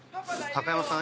高山さん